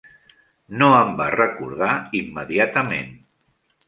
No em va recordar immediatament.